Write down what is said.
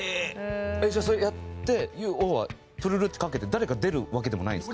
じゃあそれやって要はプルルってかけて誰か出るわけでもないんですか？